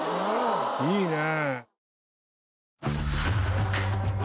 いいね。